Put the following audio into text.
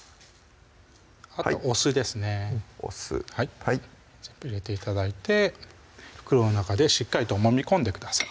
あとお酢ですねお酢全部入れて頂いて袋の中でしっかりともみ込んでください